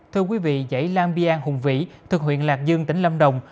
thưa quý vị dãy lam bi an hùng vĩ thực huyện lạc dương tỉnh lâm đồng